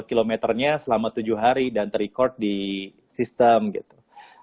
dua kilometernya selama tujuh hari dan ter record di sistem gitu